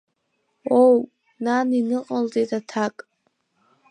Оу, нан, иныҟалҵеит аҭак.